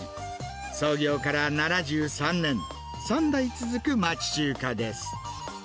創業から７３年、３代続く町中華です。